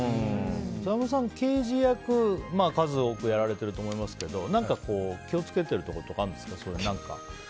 沢村さん、刑事役数多くやられてると思いますけど何か気を付けてることとかあるんですか？